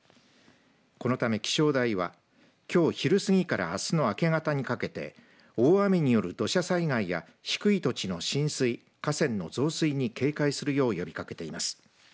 このため気象台はきょう昼過ぎからあすの明け方にかけて大雨による土砂災害や低い土地の浸水河川の増水に警戒するよう呼びかけています。